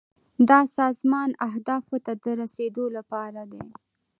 دا د سازمان اهدافو ته د رسیدو لپاره دي.